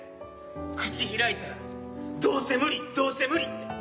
口開いたら「どうせ無理どうせ無理」って。